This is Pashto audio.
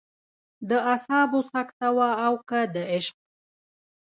د اعصابو سکته وه او که د عشق.